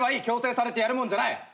強制されてやるもんじゃない。